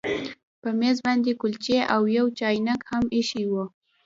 په میز باندې کلچې او یو چاینک هم ایښي وو